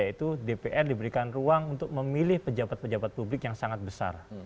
yaitu dpr diberikan ruang untuk memilih pejabat pejabat publik yang sangat besar